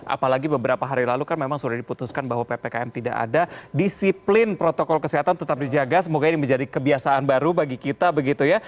apalagi beberapa hari lalu kan memang sudah diputuskan bahwa ppkm tidak ada disiplin protokol kesehatan tetap dijaga semoga ini menjadi kebiasaan baru bagi kita begitu ya